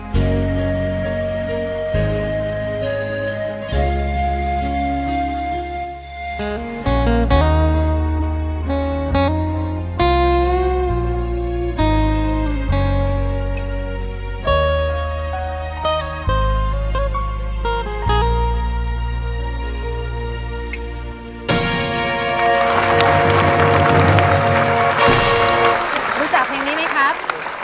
รู้จักเพลงนี้ไหมครับ